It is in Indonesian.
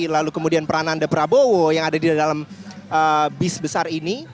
lalu kemudian peranan prabowo yang ada di dalam bis besar ini